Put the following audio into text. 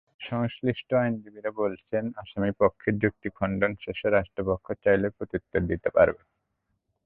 সংশ্লিষ্ট আইনজীবীরা বলছেন, আসামিপক্ষের যুক্তি খণ্ডন শেষে রাষ্ট্রপক্ষ চাইলে প্রত্যুত্তর দিতে পারবে।